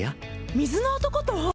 水の男と？